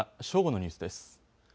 正午のニュースです。